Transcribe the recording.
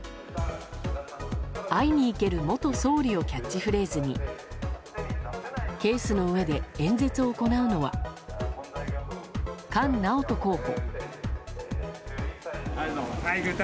「＃会いに行ける元総理」をキャッチフレーズにケースの上で演説を行うのは菅直人候補。